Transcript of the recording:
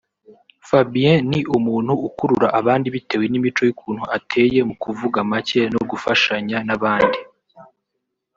Fabien ni umuntu ukurura abandi bitewe n’imico y’ukuntu ateye mu kuvuga make no gufashanya n’abandi